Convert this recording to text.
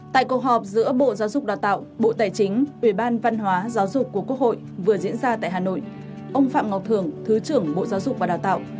tại cuộc họp giữa bộ giáo dục đào tạo bộ tài chính ubnd giáo dục của quốc hội vừa diễn ra tại hà nội ông phạm ngọc thường thứ trưởng bộ giáo dục và đào tạo